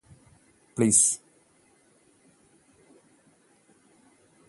please